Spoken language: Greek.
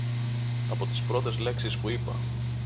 Από τις πρώτες λέξεις που είπα